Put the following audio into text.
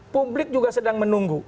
publik juga sedang menunggu